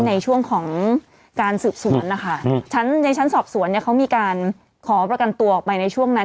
ในช่วงของการสืบสวนนะคะชั้นในชั้นสอบสวนเนี่ยเขามีการขอประกันตัวออกไปในช่วงนั้น